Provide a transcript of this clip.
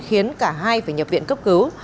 khiến cả hai phải nhập viện cấp cứu